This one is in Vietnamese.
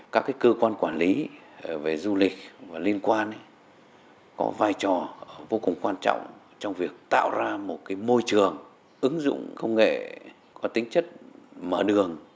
các cơ quan quản lý về du lịch và liên quan có vai trò vô cùng quan trọng trong việc tạo ra một môi trường ứng dụng công nghệ có tính chất mở đường